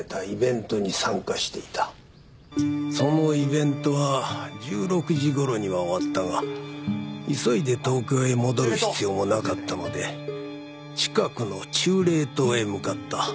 そのイベントは１６時頃には終わったが急いで東京へ戻る必要もなかったので近くの忠霊塔へ向かった。